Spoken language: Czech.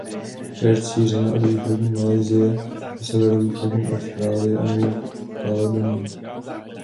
Je rozšířena od východní Malajsie po severovýchodní Austrálii a Novou Kaledonii.